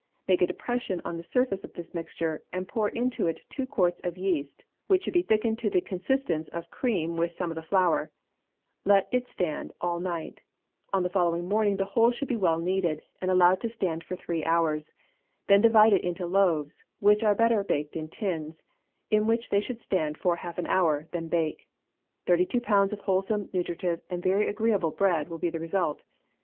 Make a depression on the surface of this mixture, and pour into it two quarts of yeast, which should be thickened to the consistence of cream with some of the flour; let it stand all night; on the following morning the whole should be well kneaded, and allowed to stand for three hours; then divide it into loaves, which are better baked in tins, in which they should stand for half an hour, then bake. Thirty two pounds of wholesome, nutritive, and very agreeable bread will be the result.